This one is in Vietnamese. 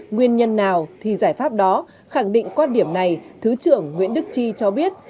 nguyên nhân nào thì giải pháp đó khẳng định quan điểm này thứ trưởng nguyễn đức chi cho biết